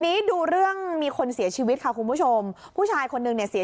ทีนี้ดูเรื่องมีคนเสียชีวิตค่ะคุณผู้ชมผู้ชายคนนึงเนี่ยเสีย